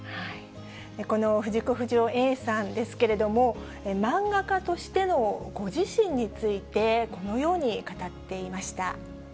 この藤子不二雄Ａさんですけれども、漫画家としてのご自身について、このように語っていました。